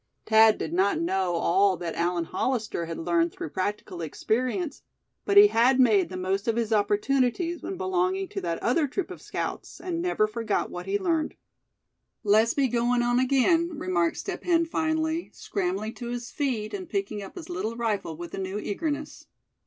Thad did not know all that Allan Hollister had learned through practical experience; but he had made the most of his opportunities when belonging to that other troop of scouts; and never forgot what he learned. "Let's be agoin' on again," remarked Step Hen, finally, scrambling to his feet, and picking up his little rifle with a new eagerness.